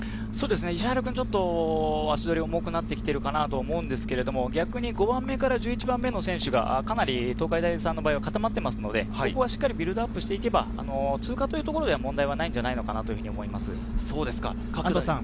石原君、ちょっと足取りが重くなってきているかなと思うんですけれど、逆に５番目から１１番目の選手がかなり東海大さんの場合は固まっていますので、しっかりビルドアップしていけば、通過というところでは問題ないかなと思います。